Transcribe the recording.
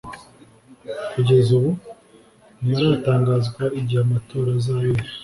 Kugeza ubu ntiharatangazwa igihe amatora azabera